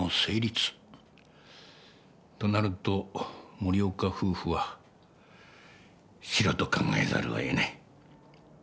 となると森岡夫婦はシロと考えざるをえない。